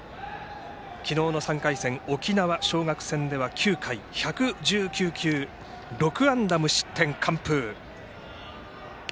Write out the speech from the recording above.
昨日の３回戦、沖縄尚学戦では９回１１９球、６安打無失点完封。